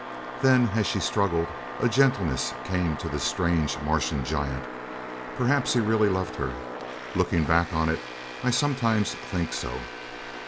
Then as she struggled, a gentleness came to this strange Martian giant. Perhaps he really loved her. Looking back on it, I sometimes think so.